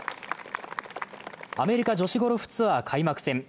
アメリカ女子ゴルフツアー開幕戦。